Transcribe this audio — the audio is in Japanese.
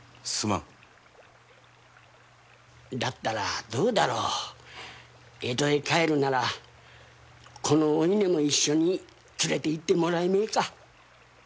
まんだったらどうだろう江戸へ帰るならおいねも一緒に連れて行ってくれめえか